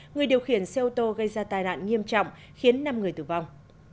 người điều khiển xe ô tô gây ra tai nạn nghiêm trọng khiến năm người tử vong